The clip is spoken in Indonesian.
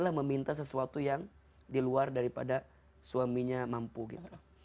meminta sesuatu yang di luar daripada suaminya mampu gitu